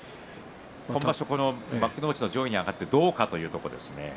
幕内の上位に上がってどうかというところですが。